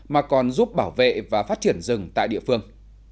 mà còn giúp bảo vệ và phát triển rừng tại địa phương